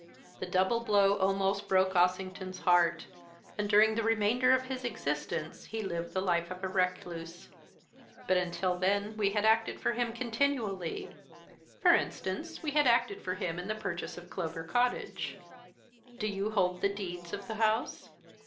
The double blow almost broke Ossington's heart, and during the remainder of his existence he lived the life of a recluse. But, until then, we had acted for him continually. For instance, we had acted for him in the purchase of Clover Cottage.' "'Do you hold the deeds of the house?'